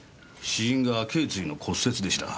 死因が頸椎の骨折でした。